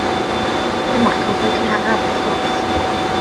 Dyma'r cowboi cynharaf, wrth gwrs.